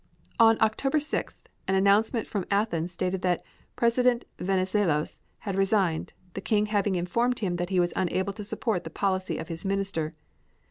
On October 6th an announcement from Athens stated that Premier Venizelos had resigned, the King having informed him that he was unable to support the policy of his Minister.